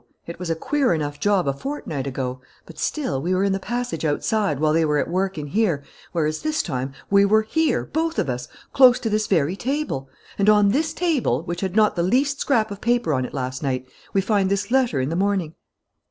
It was a queer enough job a fortnight ago. But, still, we were in the passage outside, while they were at work in here, whereas, this time, we were here, both of us, close to this very table. And, on this table, which had not the least scrap of paper on it last night, we find this letter in the morning."